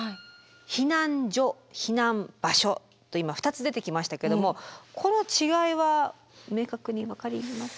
避難所避難場所と今２つ出てきましたけどもこの違いは明確に分かります？